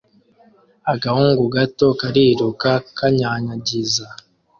Agahungu gato kariruka kanyanyagiza